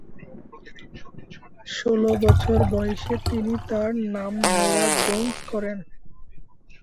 ষোল বছর বয়সে তিনি তার নাম নোরা জোন্স করেন।